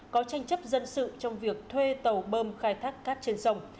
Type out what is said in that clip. có tranh chấp dân sự trong việc thuê tàu bơm khai thác cát trên sông